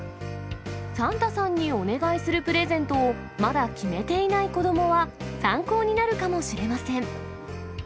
サンタさんにお願いするプレゼントをまだ決めていない子どもは、参考になるかもしれません。